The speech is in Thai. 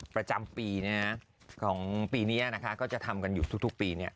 ประจำปีของปีนี้ก็จะทำกันอยู่ทุกปี